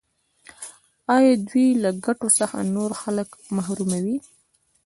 آیا دوی له دې ګټو څخه نور خلک محروموي؟